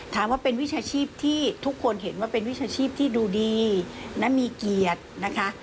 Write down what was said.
ถามว่าเป็นวิชาชีพที่ทุกคนเห็นว่าเป็นวิชาชีพที่ดูดีและมีเกียรตินะคะ